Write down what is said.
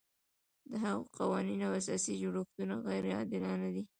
د هغه قوانین او اساسي جوړښتونه غیر عادلانه دي.